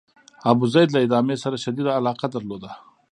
ابوزید له ادامې سره شدیده علاقه درلوده.